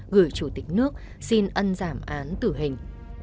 gửi chủ tịch nước xin ân giảm án tử hình